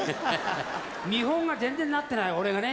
見本が全然なってない俺がね。